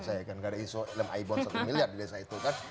saya tidak ada isu ibon satu miliar di desa itu